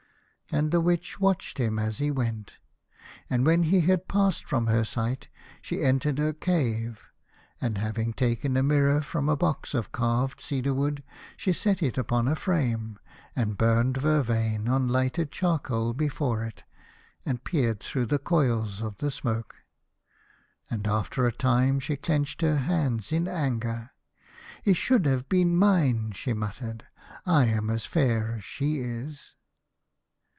And the Witch watched him as he went, and when he had passed from her sight she entered her cave, and having taken a mirror from a box of carved cedarwood, she set it up on a frame, and burned vervain on lighted charcoal before it, and peered through the coils of the smoke. And after a time she clenched her hands in anger. "He should have been mine," she muttered, " I am as fair as she is."